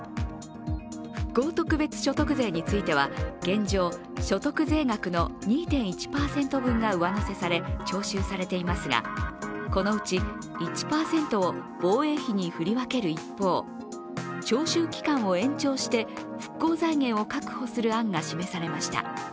復興特別所得税については現状、所得税額の２．１％分が上乗せされ徴収されていますがこのうち１％を防衛費に振り分ける一方徴収期間を延長して復興財源を確保する案が示されました。